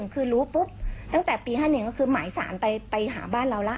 คือรู้ปุ๊บตั้งแต่ปี๕๑ก็คือหมายสารไปหาบ้านเราละ